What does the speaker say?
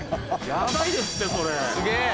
やばいですってそれ。